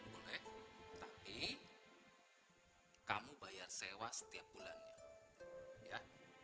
boleh tapi kamu bayar sewa setiap bulannya ya